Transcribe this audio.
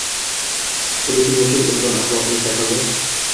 Xuddi shunga o‘xshab, inson axloqini sayqallash